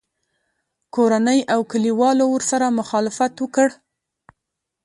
کورنۍ او کلیوالو ورسره مخالفت وکړ